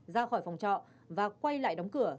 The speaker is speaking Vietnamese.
ra khỏi phòng trọ và quay lại đóng cửa